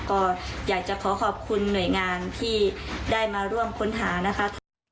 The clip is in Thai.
ก็อยากจะขอขอบคุณหน่วยงานที่ได้มาร่วมค้นหานะคะ